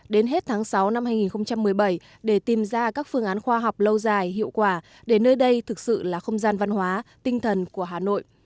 đến hết tháng sáu năm hai nghìn một mươi bảy để tìm ra các phương án khoa học lâu dài hiệu quả để nơi đây thực sự là không gian văn hóa tinh thần của hà nội